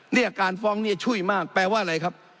เนี่ยการฟ้องเนี่ยช่วยมากแปลว่าอะไรครับ